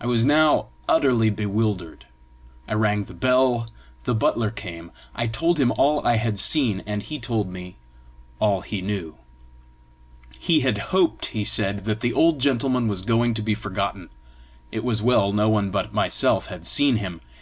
I was now utterly bewildered. I rang the bell; the butler came; I told him all I had seen, and he told me all he knew. He had hoped, he said, that the old gentleman was going to be forgotten; it was well no one but myself had seen him.